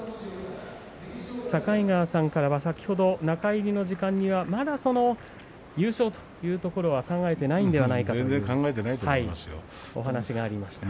境川さんからは中入りの時間にまだ優勝というところは考えていないんじゃないかという話でした。